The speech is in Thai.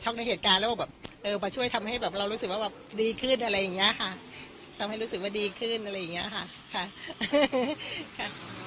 ช็อกในเหตุการณ์แล้วมาช่วยทำให้เรารู้สึกว่าดีขึ้นอะไรอย่างนี้ค่ะทำให้รู้สึกว่าดีขึ้นอะไรอย่างนี้ค่ะ